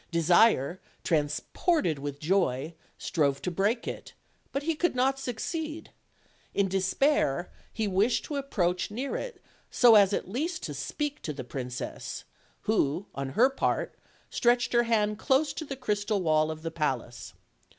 De sire, transported with joy, strove to break it; but he could not succeed: in despair, he wished to approach near it so as at least to speak to the princess, who, on her part, stretched her hand close to the crystal wall of the palace.